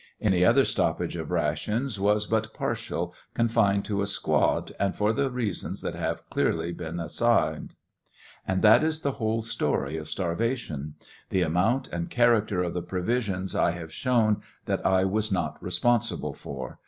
Any other stoppage of rations was but partial, confined to a squad, and for the reasons that have been clearly assigned. And that is the whole story of starvation. The amount and character of the provisions I have shown that I was not responsible for.